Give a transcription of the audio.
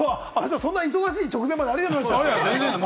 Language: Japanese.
そんな忙しい直前まで、ありがとうございました。